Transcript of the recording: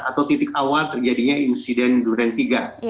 atau titik awal terjadinya insiden duren tiga